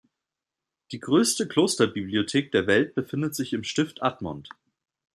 Die größte Klosterbibliothek der Welt befindet sich im Stift Admont.